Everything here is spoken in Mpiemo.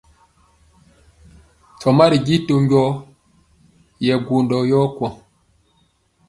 Ntɔma ri ji to gwɔŋ yɛ gwondɔ yɔ kwaŋ.